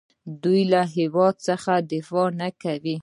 آیا دوی له هیواد څخه دفاع نه کوي؟